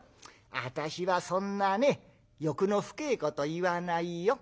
私はそんなね欲の深えこと言わないよ。